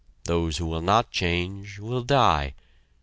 Those who will not change will die!